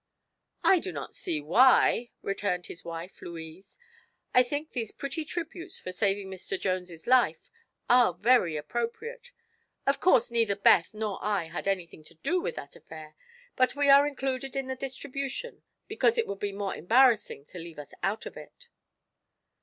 "I do not see why," returned his wife Louise. "I think these pretty tributes for saving Mr. Jones' life are very appropriate. Of course neither Beth nor I had anything to do with that affair, but we are included in the distribution because it would be more embarrassing to leave us out of it."